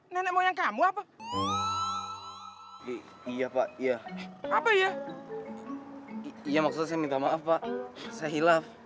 nenek moyang kamu apa iya pak iya apa ya iya maksud saya minta maaf pak saya hilaf